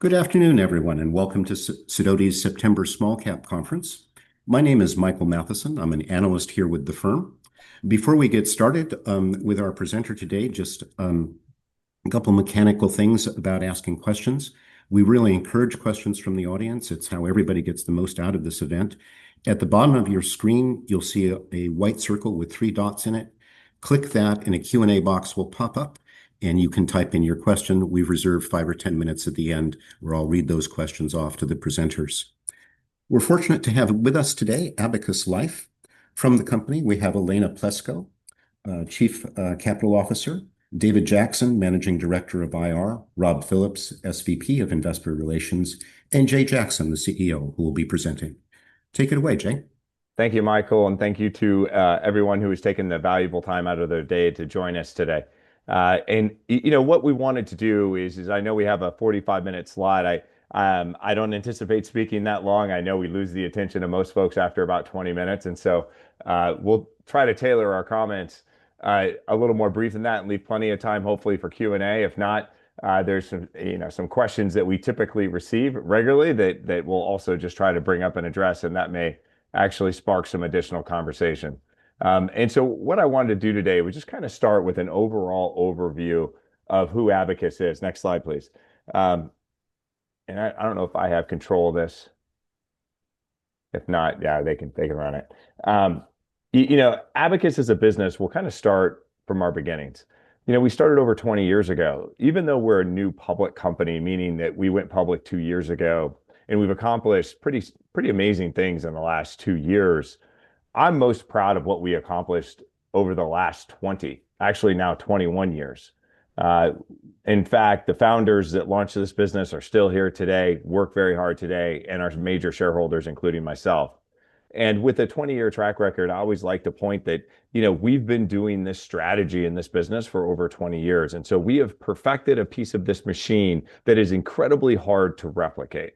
Good afternoon, everyone, and welcome to Sidoti's September Small Cap Conference. My name is Michael Matheson. I'm an analyst here with the firm. Before we get started with our presenter today, just a couple mechanical things about asking questions. We really encourage questions from the audience. It's how everybody gets the most out of this event. At the bottom of your screen, you'll see a white circle with three dots in it. Click that, and a Q&A box will pop up, and you can type in your question. We reserve five or ten minutes at the end, where I'll read those questions off to the presenters. We're fortunate to have with us today Abacus Life. From the company, we have Elena Plesco, Chief Capital Officer; David Jackson, Managing Director of Capital Markets; Rob Phillips, SVP of Investor Relations; and Jay Jackson, the CEO, who will be presenting. Take it away, Jay. Thank you, Michael, and thank you to everyone who has taken the valuable time out of their day to join us today. You know, what we wanted to do is I know we have a 45-minute slot. I don't anticipate speaking that long. I know we lose the attention of most folks after about 20 minutes, and so we'll try to tailor our comments a little more brief than that and leave plenty of time, hopefully, for Q&A. If not, there's some, you know, some questions that we typically receive regularly that we'll also just try to bring up and address, and that may actually spark some additional conversation. So what I wanted to do today, we just kind of start with an overall overview of who Abacus is. Next slide, please. I don't know if I have control of this. If not, yeah, they can, they can run it. You know, Abacus is a business. We'll kind of start from our beginnings. You know, we started over 20 years ago. Even though we're a new public company, meaning that we went public two years ago, and we've accomplished pretty, pretty amazing things in the last two years, I'm most proud of what we accomplished over the last 20, actually now 21 years. In fact, the founders that launched this business are still here today, work very hard today, and are major shareholders, including myself. And with a 20-year track record, I always like to point that, you know, we've been doing this strategy in this business for over 20 years, and so we have perfected a piece of this machine that is incredibly hard to replicate.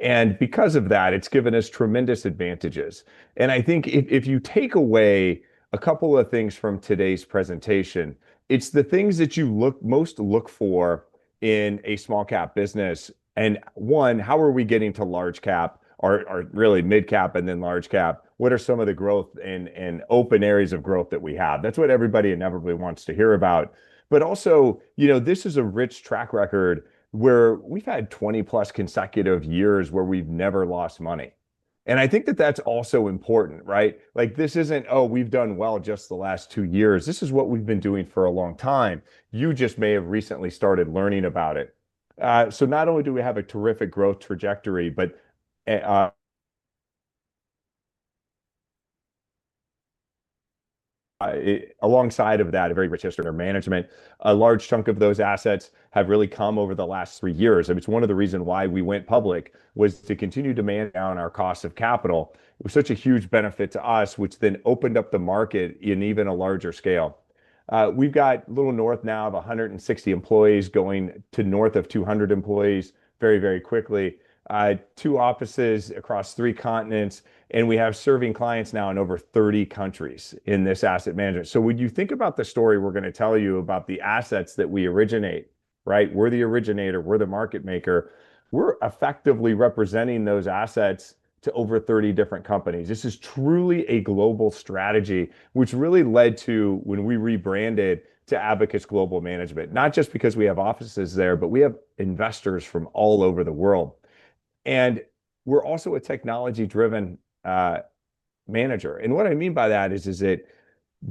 And because of that, it's given us tremendous advantages. I think if you take away a couple of things from today's presentation, it's the things that you look most for in a small cap business. One, how are we getting to large cap, or really mid-cap, and then large cap? What are some of the growth and open areas of growth that we have? That's what everybody inevitably wants to hear about. But also, you know, this is a rich track record where we've had 20-plus consecutive years where we've never lost money. And I think that that's also important, right? Like, this isn't, oh, we've done well just the last two years. This is what we've been doing for a long time. You just may have recently started learning about it. So not only do we have a terrific growth trajectory, but, alongside of that, a very rich history of management. A large chunk of those assets have really come over the last three years. And it's one of the reasons why we went public was to continue to bring down our cost of capital. It was such a huge benefit to us, which then opened up the market on even a larger scale. We've got a little north now of 160 employees going to north of 200 employees very, very quickly. Two offices across three continents, and we're serving clients now in over 30 countries in this asset management. So when you think about the story we're going to tell you about the assets that we originate, right? We're the originator. We're the market maker. We're effectively representing those assets to over 30 different companies. This is truly a global strategy, which really led to when we rebranded to Abacus Asset Management, not just because we have offices there, but we have investors from all over the world. And we're also a technology-driven manager. And what I mean by that is that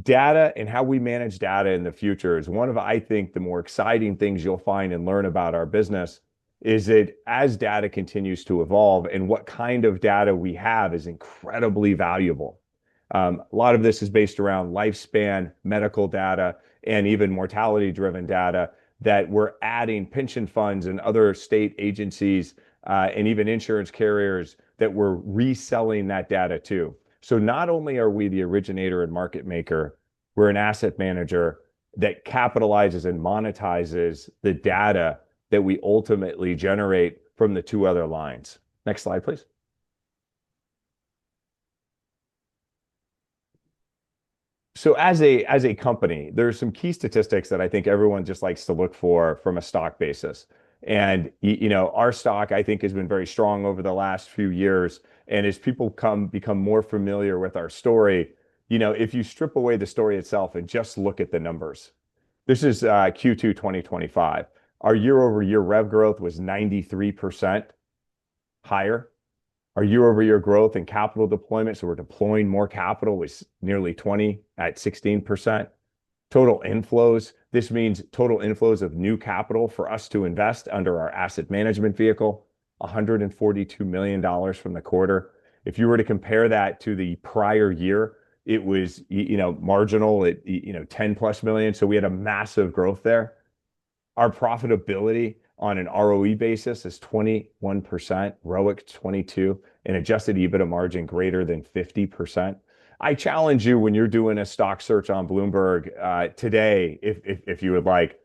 data and how we manage data in the future is one of, I think, the more exciting things you'll find and learn about our business, is that as data continues to evolve and what kind of data we have is incredibly valuable. A lot of this is based around lifespan, medical data, and even mortality-driven data that we're adding pension funds and other state agencies, and even insurance carriers that we're reselling that data to. So not only are we the originator and market maker, we're an asset manager that capitalizes and monetizes the data that we ultimately generate from the two other lines. Next slide, please. So as a company, there are some key statistics that I think everyone just likes to look for from a stock basis. And you know, our stock, I think, has been very strong over the last few years. And as people become more familiar with our story, you know, if you strip away the story itself and just look at the numbers, this is Q2 2024. Our year-over-year rev growth was 93% higher. Our year-over-year growth in capital deployment, so we're deploying more capital, was nearly 20 at 16%. Total inflows, this means total inflows of new capital for us to invest under our asset management vehicle, $142 million from the quarter. If you were to compare that to the prior year, it was, you know, marginal at, you know, $10-plus million. So we had a massive growth there. Our profitability on an ROE basis is 21%, ROIC 22%, and adjusted EBITDA margin greater than 50%. I challenge you, when you're doing a stock search on Bloomberg, today, if you would like,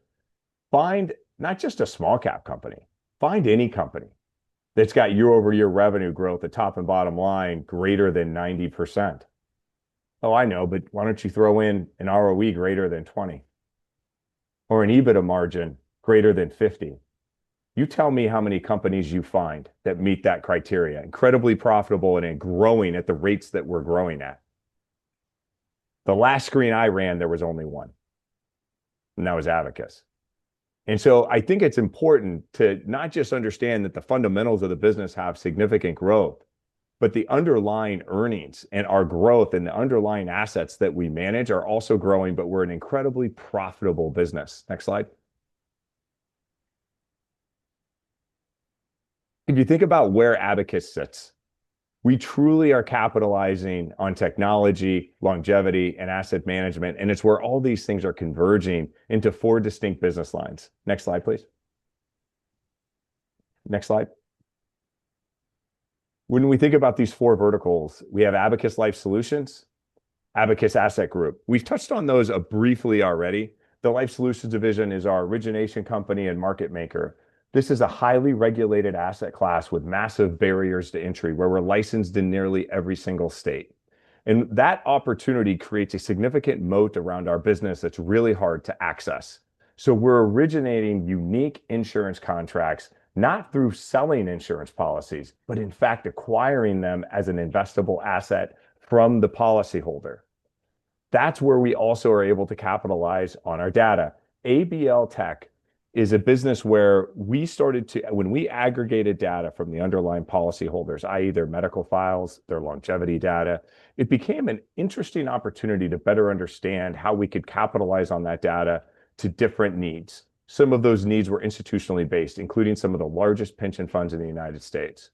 find not just a small cap company, find any company that's got year-over-year revenue growth, the top and bottom line greater than 90%. Oh, I know, but why don't you throw in an ROE greater than 20% or an EBITDA margin greater than 50%? You tell me how many companies you find that meet that criteria, incredibly profitable and growing at the rates that we're growing at. The last screen I ran, there was only one, and that was Abacus. And so I think it's important to not just understand that the fundamentals of the business have significant growth, but the underlying earnings and our growth and the underlying assets that we manage are also growing, but we're an incredibly profitable business. Next slide. If you think about where Abacus sits, we truly are capitalizing on technology, longevity, and asset management, and it's where all these things are converging into four distinct business lines. Next slide, please. Next slide. When we think about these four verticals, we have Abacus Life Solutions, Abacus Asset Management. We've touched on those briefly already. The Life Solutions division is our origination company and market maker. This is a highly regulated asset class with massive barriers to entry where we're licensed in nearly every single state. And that opportunity creates a significant moat around our business that's really hard to access. So we're originating unique insurance contracts, not through selling insurance policies, but in fact acquiring them as an investable asset from the policyholder. That's where we also are able to capitalize on our data. ABL Tech is a business where we started to, when we aggregated data from the underlying policyholders, i.e., their medical files, their longevity data, it became an interesting opportunity to better understand how we could capitalize on that data to different needs. Some of those needs were institutionally based, including some of the largest pension funds in the United States.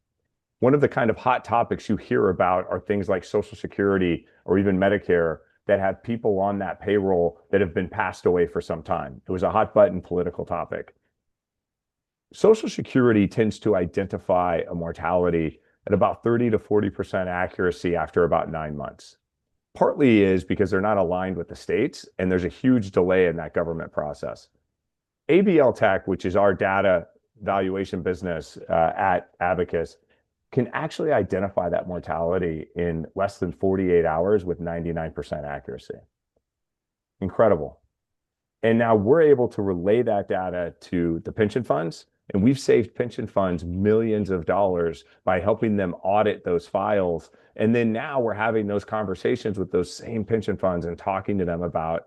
One of the kind of hot topics you hear about are things like Social Security or even Medicare that have people on that payroll that have been passed away for some time. It was a hot-button political topic. Social Security tends to identify a mortality at about 30%-40% accuracy after about nine months. Partly it is because they're not aligned with the states, and there's a huge delay in that government process. ABL Tech, which is our data valuation business at Abacus, can actually identify that mortality in less than 48 hours with 99% accuracy. Incredible. And now we're able to relay that data to the pension funds, and we've saved pension funds millions of dollars by helping them audit those files. And then now we're having those conversations with those same pension funds and talking to them about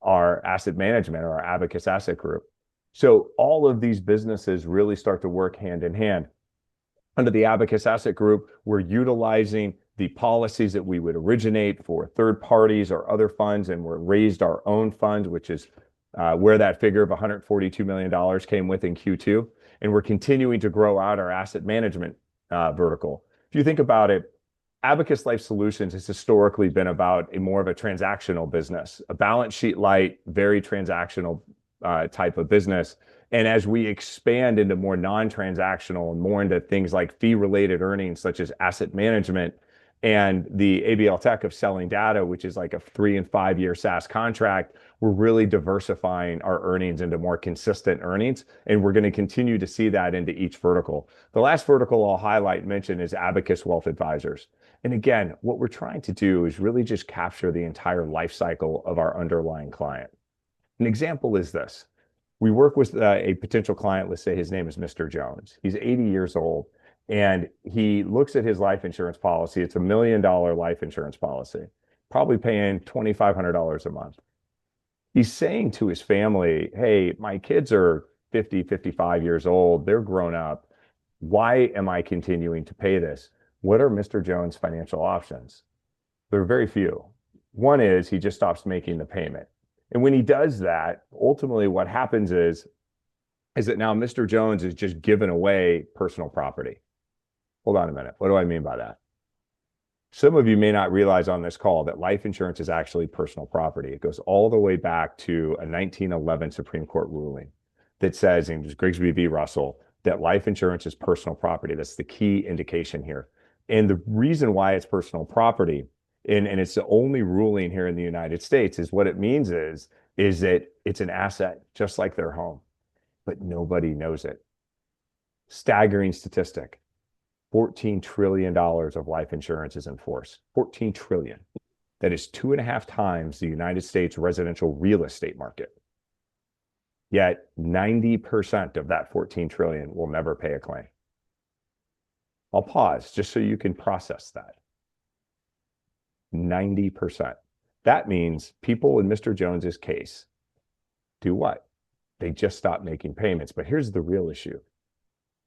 our asset management or our Abacus Asset Group. So all of these businesses really start to work hand in hand. Under the Abacus Asset Group, we're utilizing the policies that we would originate for third parties or other funds, and we've raised our own funds, which is where that figure of $142 million came within Q2. We're continuing to grow out our asset management vertical. If you think about it, Abacus Life Solutions has historically been about more of a transactional business, a balance sheet-like, very transactional, type of business. As we expand into more non-transactional and more into things like fee-related earnings, such as asset management and the ABL Tech of selling data, which is like a three- and five-year SaaS contract, we're really diversifying our earnings into more consistent earnings, and we're going to continue to see that into each vertical. The last vertical I'll highlight mention is Abacus Wealth. Again, what we're trying to do is really just capture the entire life cycle of our underlying client. An example is this: we work with a potential client, let's say his name is Mr. Jones. He's 80 years old, and he looks at his life insurance policy. It's a million-dollar life insurance policy, probably paying $2,500 a month. He's saying to his family, "Hey, my kids are 50, 55 years old. They're grown up. Why am I continuing to pay this? What are Mr. Jones' financial options?" There are very few. One is he just stops making the payment and when he does that, ultimately what happens is that now Mr. Jones has just given away personal property. Hold on a minute. What do I mean by that? Some of you may not realize on this call that life insurance is actually personal property. It goes all the way back to a 1911 Supreme Court ruling that says, and it was Grigsby v. Russell, that life insurance is personal property. That's the key indication here. And the reason why it's personal property, and it's the only ruling here in the United States, is what it means is, is that it's an asset just like their home, but nobody knows it. Staggering statistic: $14 trillion of life insurance is in force. $14 trillion. That is two and a half times the United States' residential real estate market. Yet 90% of that $14 trillion will never pay a claim. I'll pause just so you can process that. 90%. That means people in Mr. Jones' case do what? They just stop making payments. But here's the real issue.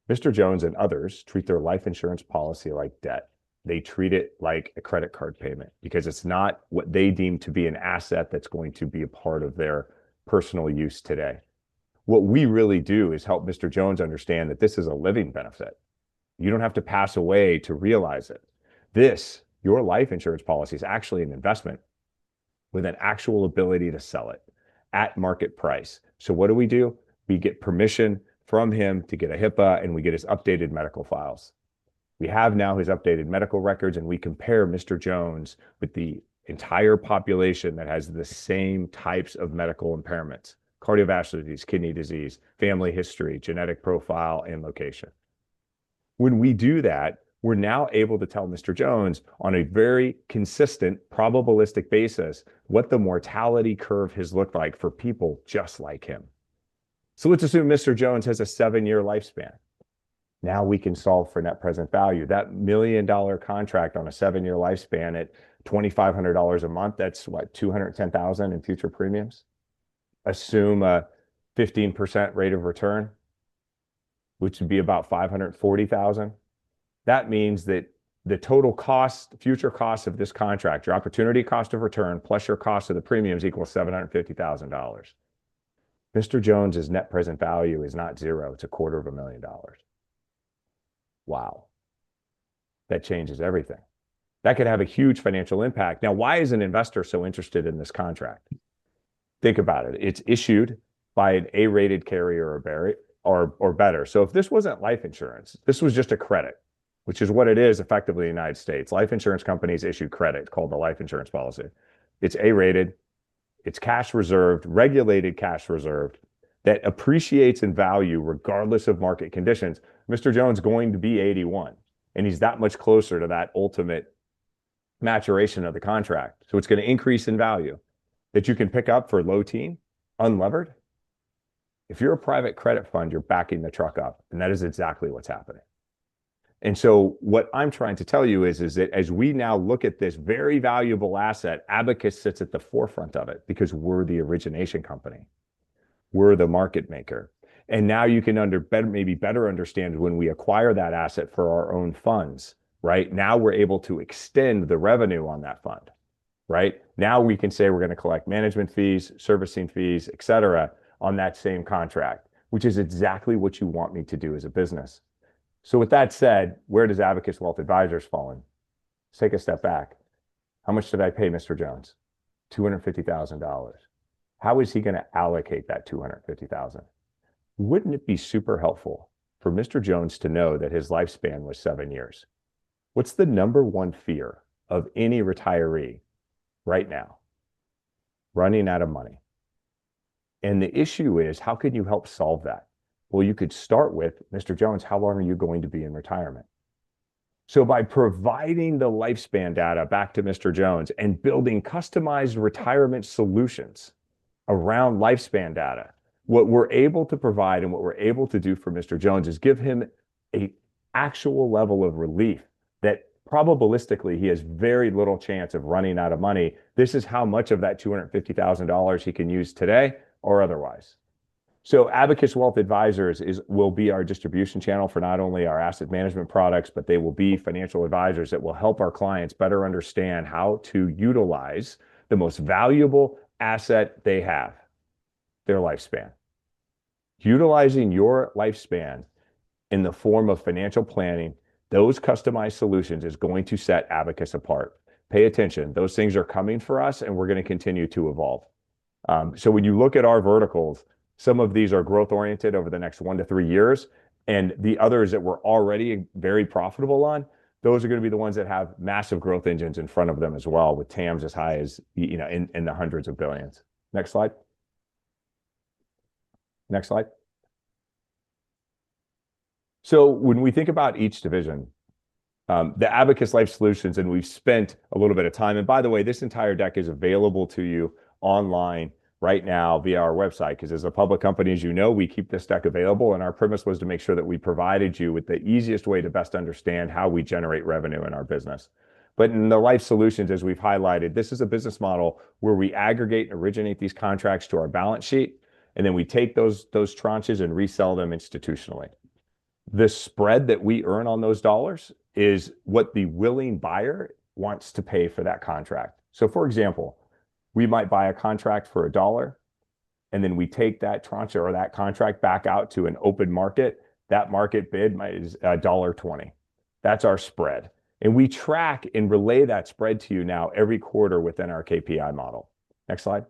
Mr. Jones and others treat their life insurance policy like debt. They treat it like a credit card payment because it's not what they deem to be an asset that's going to be a part of their personal use today. What we really do is help Mr. Jones understands that this is a living benefit. You don't have to pass away to realize it. This, your life insurance policy is actually an investment with an actual ability to sell it at market price. So what do we do? We get permission from him to get a HIPAA, and we get his updated medical files. We have now his updated medical records, and we compare Mr. Jones with the entire population that has the same types of medical impairments: cardiovascular disease, kidney disease, family history, genetic profile, and location. When we do that, we're now able to tell Mr. Jones, on a very consistent, probabilistic basis, what the mortality curve has looked like for people just like him. So let's assume Mr. Jones has a seven-year lifespan. Now we can solve for net present value. That million-dollar contract on a seven-year lifespan at $2,500 a month, that's what, $210,000 in future premiums? Assume a 15% rate of return, which would be about $540,000. That means that the total cost, future cost of this contract, your opportunity cost of return plus your cost of the premiums equals $750,000. Mr. Jones' net present value is not zero. It's $250,000. Wow. That changes everything. That could have a huge financial impact. Now, why is an investor so interested in this contract? Think about it. It's issued by an A-rated carrier or better. So if this wasn't life insurance, this was just a credit, which is what it is effectively in the United States. Life insurance companies issue credit called the life insurance policy. It's A-rated. It's cash reserved, regulated cash reserved that appreciates in value regardless of market conditions. Mr. Jones is going to be 81, and he's that much closer to that ultimate maturation of the contract. So it's going to increase in value that you can pick up for low teen, unlevered. If you're a private credit fund, you're backing the truck up, and that is exactly what's happening. And so what I'm trying to tell you is, is that as we now look at this very valuable asset, Abacus sits at the forefront of it because we're the origination company. We're the market maker. And now you can maybe better understand when we acquire that asset for our own funds, right? Now we're able to extend the revenue on that fund, right? Now we can say we're going to collect management fees, servicing fees, et cetera, on that same contract, which is exactly what you want me to do as a business. So with that said, where does Abacus Wealth Advisors fall in? Let's take a step back. How much did I pay, Mr. Jones? $250,000. How is he going to allocate that $250,000? Wouldn't it be super helpful for Mr. Jones to know that his lifespan was seven years? What's the number one fear of any retiree right now? Running out of money. And the issue is, how can you help solve that? Well, you could start with, "Mr. Jones, how long are you going to be in retirement?" So by providing the lifespan data back to Mr. Jones and building customized retirement solutions around lifespan data, what we're able to provide and what we're able to do for Mr. Jones is give him an actual level of relief that probabilistically he has very little chance of running out of money. This is how much of that $250,000 he can use today or otherwise. So Abacus Wealth Advisors will be our distribution channel for not only our asset management products, but they will be financial advisors that will help our clients better understand how to utilize the most valuable asset they have, their lifespan. Utilizing your lifespan in the form of financial planning, those customized solutions is going to set Abacus apart. Pay attention. Those things are coming for us, and we're going to continue to evolve. So when you look at our verticals, some of these are growth-oriented over the next one to three years, and the others that we're already very profitable on, those are going to be the ones that have massive growth engines in front of them as well, with TAMs as high as, you know, in the hundreds of billions. Next slide. Next slide. So when we think about each division, the Abacus Life Solutions, and we've spent a little bit of time, and by the way, this entire deck is available to you online right now via our website because as a public company, as you know, we keep this deck available, and our premise was to make sure that we provided you with the easiest way to best understand how we generate revenue in our business. But in the Life Solutions, as we've highlighted, this is a business model where we aggregate and originate these contracts to our balance sheet, and then we take those tranches and resell them institutionally. The spread that we earn on those dollars is what the willing buyer wants to pay for that contract. So for example, we might buy a contract for $1, and then we take that tranche or that contract back out to an open market. That market bid might is $1.20. That's our spread. And we track and relay that spread to you now every quarter within our KPI model. Next slide.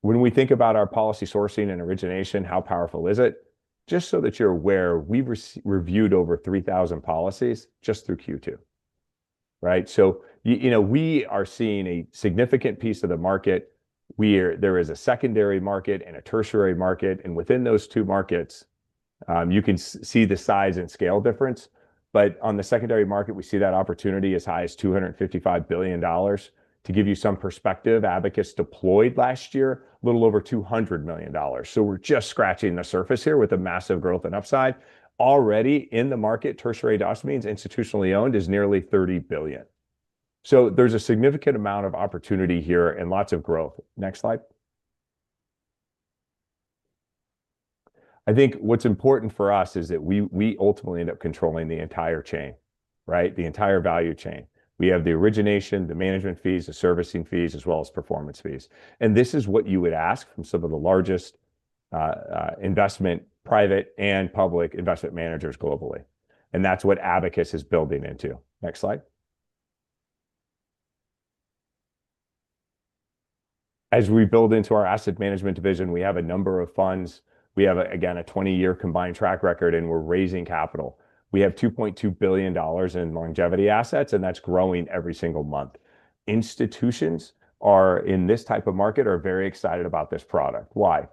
When we think about our policy sourcing and origination, how powerful is it? Just so that you're aware, we've reviewed over 3,000 policies just through Q2, right? So you know we are seeing a significant piece of the market. There is a secondary market and a tertiary market, and within those two markets, you can see the size and scale difference. But on the secondary market, we see that opportunity as high as $255 billion. To give you some perspective, Abacus deployed last year a little over $200 million. So we're just scratching the surface here with a massive growth and upside. Already in the market, tertiary does mean institutionally owned is nearly $30 billion. So there's a significant amount of opportunity here and lots of growth. Next slide. I think what's important for us is that we ultimately end up controlling the entire chain, right? The entire value chain. We have the origination, the management fees, the servicing fees, as well as performance fees. And this is what you would ask from some of the largest, investment, private and public investment managers globally. And that's what Abacus is building into. Next slide. As we build into our asset management division, we have a number of funds. We have, again, a 20-year combined track record, and we're raising capital. We have $2.2 billion in longevity assets, and that's growing every single month. Institutions in this type of market are very excited about this product. Why?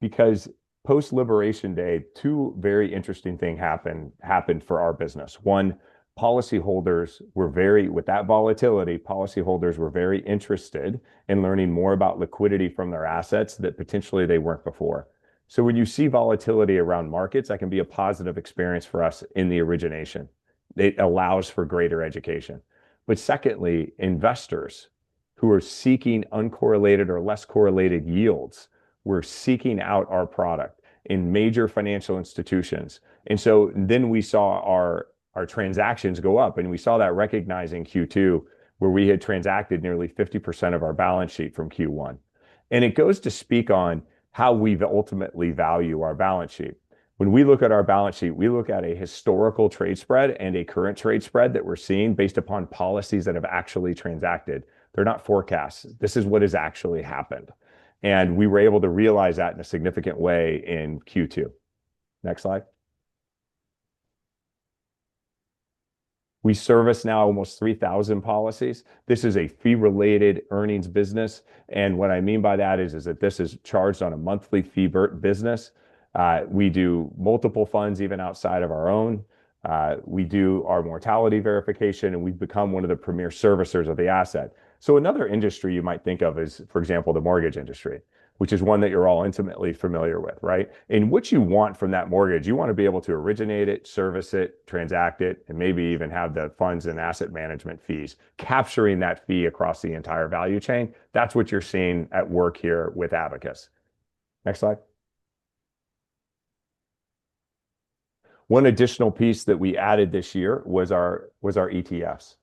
Because post-Labor Day, two very interesting things happened for our business. One, with that volatility, policyholders were very interested in learning more about liquidity from their assets that potentially they weren't before. So when you see volatility around markets, that can be a positive experience for us in the origination. It allows for greater education. But secondly, investors who are seeking uncorrelated or less correlated yields were seeking out our product in major financial institutions. And so then we saw our transactions go up, and we saw that in Q2 where we had transacted nearly 50% of our balance sheet from Q1. It goes to speak on how we ultimately value our balance sheet. When we look at our balance sheet, we look at a historical trade spread and a current trade spread that we're seeing based upon policies that have actually transacted. They're not forecasts. This is what has actually happened, and we were able to realize that in a significant way in Q2. Next slide. We service now almost 3,000 policies. This is a fee-related earnings business, and what I mean by that is that this is charged on a monthly fee business. We do multiple funds even outside of our own. We do our mortality verification, and we've become one of the premier servicers of the asset. So another industry you might think of is, for example, the mortgage industry, which is one that you're all intimately familiar with, right? And what you want from that mortgage, you want to be able to originate it, service it, transact it, and maybe even have the funds and asset management fees capturing that fee across the entire value chain. That's what you're seeing at work here with Abacus. Next slide. One additional piece that we added this year was our ETFs.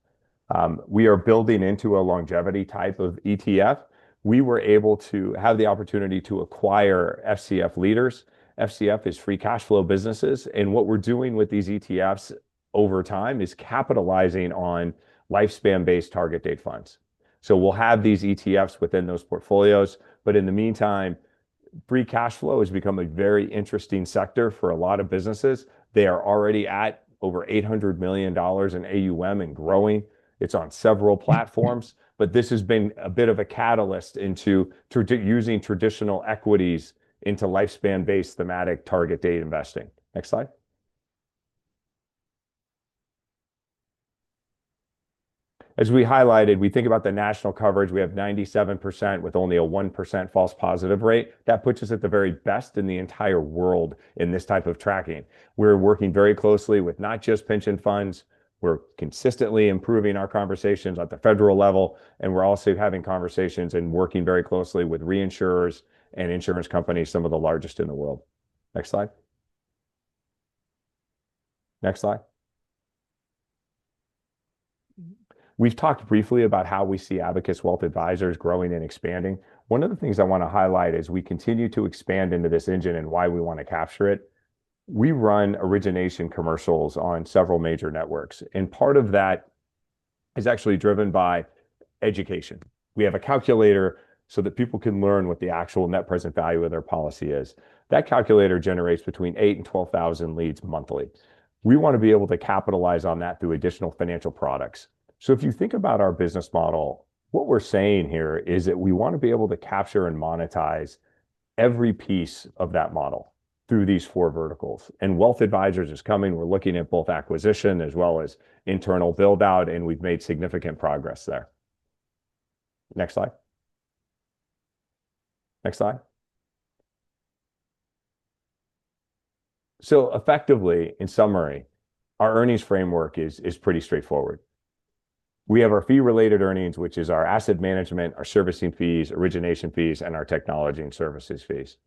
We are building into a longevity type of ETF. We were able to have the opportunity to acquire FCF Advisors. FCF is free cash flow businesses. And what we're doing with these ETFs over time is capitalizing on lifespan-based target date funds. So we'll have these ETFs within those portfolios. But in the meantime, free cash flow has become a very interesting sector for a lot of businesses. They are already at over $800 million in AUM and growing. It's on several platforms. But this has been a bit of a catalyst into using traditional equities into lifespan-based thematic target date investing. Next slide. As we highlighted, we think about the national coverage. We have 97% with only a 1% false positive rate. That puts us at the very best in the entire world in this type of tracking. We're working very closely with not just pension funds. We're consistently improving our conversations at the federal level. And we're also having conversations and working very closely with reinsurers and insurance companies, some of the largest in the world. Next slide. Next slide. We've talked briefly about how we see Abacus Wealth Advisors growing and expanding. One of the things I want to highlight is we continue to expand into this engine and why we want to capture it. We run origination commercials on several major networks. Part of that is actually driven by education. We have a calculator so that people can learn what the actual net present value of their policy is. That calculator generates between 8,000 and 12,000 leads monthly. We want to be able to capitalize on that through additional financial products. If you think about our business model, what we're saying here is that we want to be able to capture and monetize every piece of that model through these four verticals. Wealth Advisors is coming. We're looking at both acquisition as well as internal build-out, and we've made significant progress there. Next slide. Next slide. Effectively, in summary, our earnings framework is pretty straightforward. We have our Fee-Related Earnings, which is our asset management, our servicing fees, origination fees, and our technology and services fees.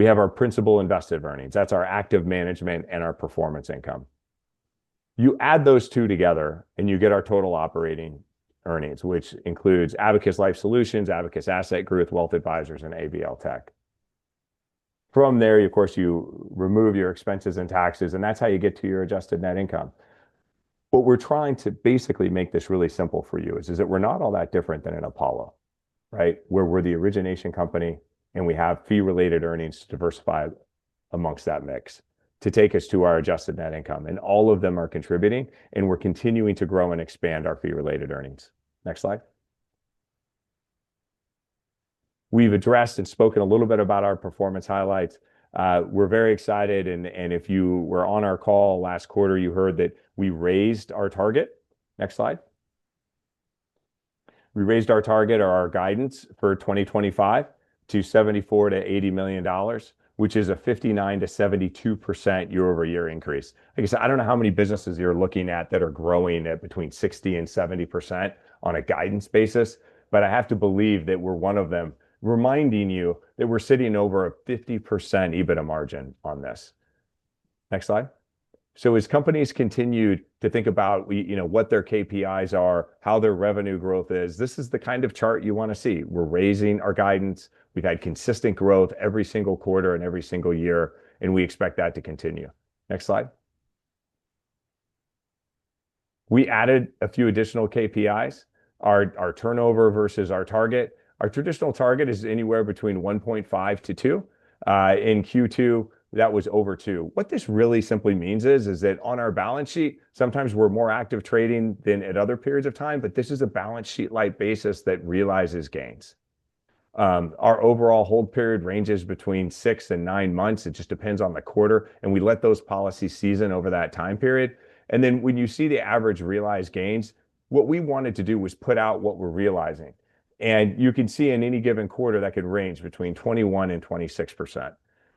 We have our principal invested earnings. That's our active management and our performance income. You add those two together, and you get our total operating earnings, which includes Abacus Life Solutions, Abacus Asset Group, Wealth Advisors, and ABL Tech. From there, of course, you remove your expenses and taxes, and that's how you get to your adjusted net income. What we're trying to basically make this really simple for you is that we're not all that different than an Apollo, right? Where we're the origination company, and we have fee-related earnings to diversify amongst that mix to take us to our adjusted net income. And all of them are contributing, and we're continuing to grow and expand our fee-related earnings. Next slide. We've addressed and spoken a little bit about our performance highlights. We're very excited, and if you were on our call last quarter, you heard that we raised our target. Next slide. We raised our target or our guidance for 2025 to $74-$80 million, which is a 59%-72% year-over-year increase. I guess I don't know how many businesses you're looking at that are growing at between 60% and 70% on a guidance basis, but I have to believe that we're one of them reminding you that we're sitting over a 50% EBITDA margin on this. Next slide. So as companies continue to think about, you know, what their KPIs are, how their revenue growth is, this is the kind of chart you want to see. We're raising our guidance. We've had consistent growth every single quarter and every single year, and we expect that to continue. Next slide. We added a few additional KPIs. Our turnover versus our target. Our traditional target is anywhere between 1.5-2. In Q2, that was over 2. What this really simply means is that on our balance sheet, sometimes we're more active trading than at other periods of time, but this is a balance sheet-like basis that realizes gains. Our overall hold period ranges between six and nine months. It just depends on the quarter, and we let those policies season over that time period. And then when you see the average realized gains, what we wanted to do was put out what we're realizing. And you can see in any given quarter that could range between 21%-26%.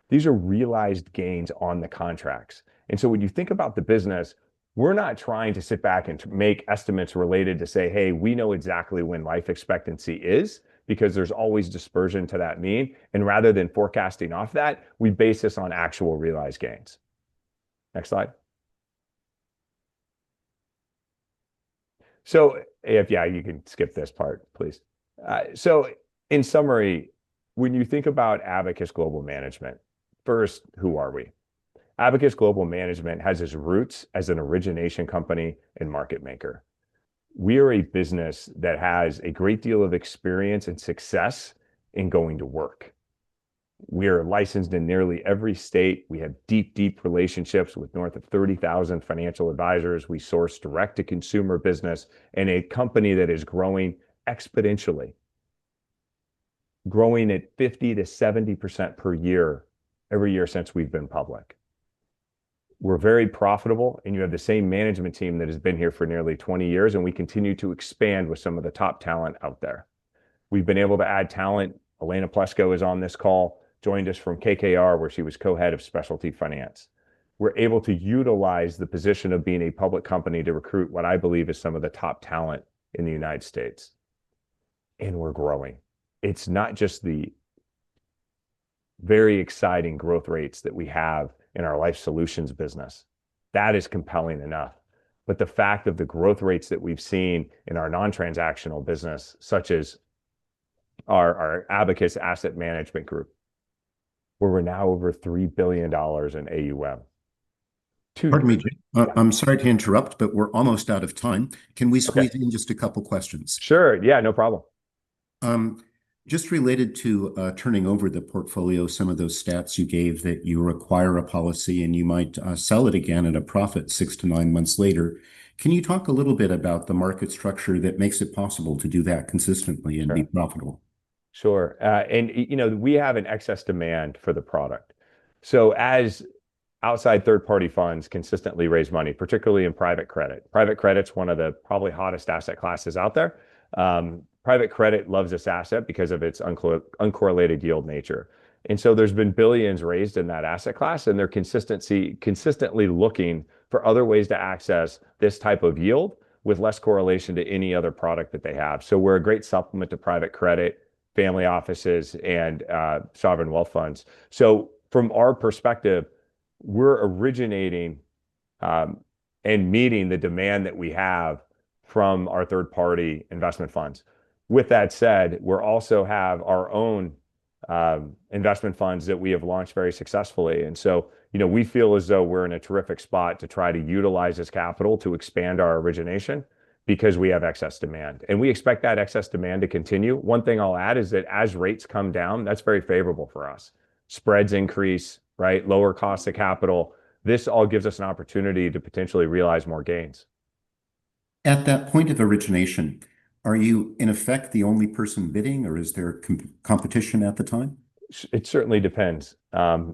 These are realized gains on the contracts. And so when you think about the business, we're not trying to sit back and make estimates related to say, "Hey, we know exactly when life expectancy is," because there's always dispersion to that mean. And rather than forecasting off that, we base this on actual realized gains. Next slide. So, if yeah, you can skip this part, please. So in summary, when you think about Abacus Asset Management, first, who are we? Abacus Asset Management has its roots as an origination company and market maker. We are a business that has a great deal of experience and success in going to work. We are licensed in nearly every state. We have deep, deep relationships with north of 30,000 financial advisors. We source direct-to-consumer business and a company that is growing exponentially, growing at 50%-70% per year, every year since we've been public. We're very profitable, and you have the same management team that has been here for nearly 20 years, and we continue to expand with some of the top talent out there. We've been able to add talent. Elena Plesco is on this call, joined us from KKR, where she was co-head of specialty finance. We're able to utilize the position of being a public company to recruit what I believe is some of the top talent in the United States, and we're growing. It's not just the very exciting growth rates that we have in our life solutions business. That is compelling enough, but the fact of the growth rates that we've seen in our non-transactional business, such as our Abacus Asset Group, where we're now over $3 billion in AUM. Pardon me, Jay. I'm sorry to interrupt, but we're almost out of time. Can we squeeze in just a couple of questions? Sure. Yeah, no problem. Just related to turning over the portfolio, some of those stats you gave that you acquire a policy and you might sell it again at a profit six-to-nine months later. Can you talk a little bit about the market structure that makes it possible to do that consistently and be profitable? Sure, and you know we have an excess demand for the product, so as outside third-party funds consistently raise money, particularly in private credit, private credit's one of the probably hottest asset classes out there. Private credit loves this asset because of its uncorrelated yield nature, and so there's been billions raised in that asset class, and they're consistently looking for other ways to access this type of yield with less correlation to any other product that they have, so we're a great supplement to private credit, family offices, and sovereign wealth funds. So from our perspective, we're originating and meeting the demand that we have from our third-party investment funds. With that said, we also have our own investment funds that we have launched very successfully. And so, you know, we feel as though we're in a terrific spot to try to utilize this capital to expand our origination because we have excess demand. And we expect that excess demand to continue. One thing I'll add is that as rates come down, that's very favorable for us. Spreads increase, right? Lower costs of capital. This all gives us an opportunity to potentially realize more gains. At that point of origination, are you in effect the only person bidding, or is there competition at the time? It certainly depends. You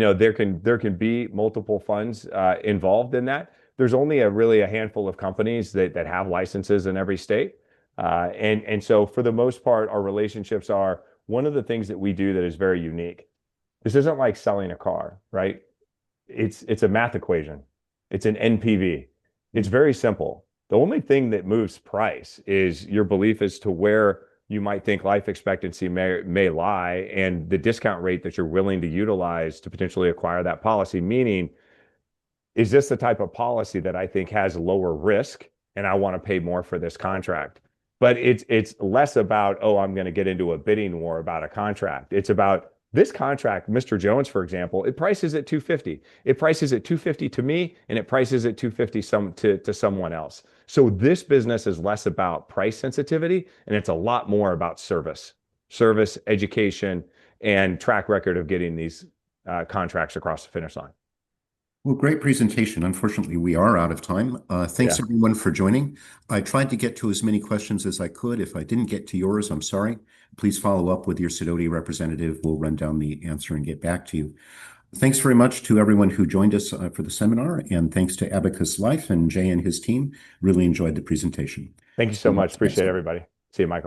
know, there can be multiple funds involved in that. There's only a handful of companies that have licenses in every state, and so for the most part, our relationships are one of the things that we do that is very unique. This isn't like selling a car, right? It's a math equation. It's an NPV. It's very simple. The only thing that moves price is your belief as to where you might think life expectancy may lie and the discount rate that you're willing to utilize to potentially acquire that policy, meaning is this the type of policy that I think has lower risk and I want to pay more for this contract? But it's less about, oh, I'm going to get into a bidding war about a contract. It's about this contract, Mr. Jones, for example; it prices at $250. It prices at $250 to me, and it prices at $250 to someone else. So this business is less about price sensitivity, and it's a lot more about service, service, education, and track record of getting these contracts across the finish line. Great presentation. Unfortunately, we are out of time. Thanks, everyone, for joining. I tried to get to as many questions as I could. If I didn't get to yours, I'm sorry. Please follow up with your Sidoti representative. We'll run down the answer and get back to you. Thanks very much to everyone who joined us for the seminar, and thanks to Abacus Life and Jay and his team. Really enjoyed the presentation. Thank you so much. Appreciate everybody. See you next week.